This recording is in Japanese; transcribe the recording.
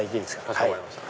かしこまりました。